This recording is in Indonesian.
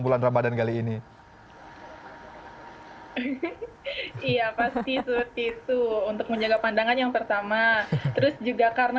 bulan ramadhan kali ini iya pasti seperti itu untuk menjaga pandangan yang pertama terus juga karena